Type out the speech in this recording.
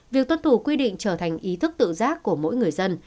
việc tuân thủ quy định trở thành ý thức tự giác của mỗi người dân